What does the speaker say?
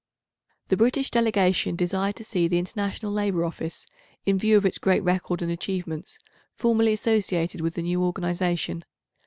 The British delegation desired to see the International Labour Office, in view of its great record and achievements, formally associated with the new organisation.